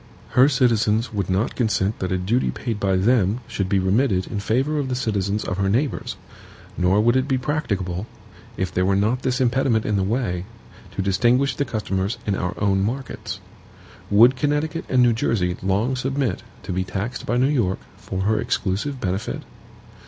Her citizens would not consent that a duty paid by them should be remitted in favor of the citizens of her neighbors; nor would it be practicable, if there were not this impediment in the way, to distinguish the customers in our own markets. Would Connecticut and New Jersey long submit to be taxed by New York for her exclusive benefit?